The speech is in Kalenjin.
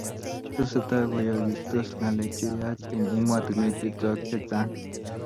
Tesetai koyaagistos ngalek cheyach eng emotinwek chechok chechang